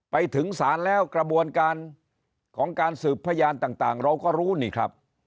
ไปถึงศาลแล้วกระบวนการของการสืบพยานต่างเราก็รู้นี่ครับ